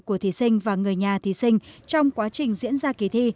của thí sinh và người nhà thí sinh trong quá trình diễn ra kỳ thi